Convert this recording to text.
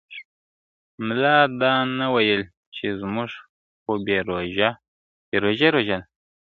ملا دا نه ویل چي زموږ خو بې روژې روژه ده ..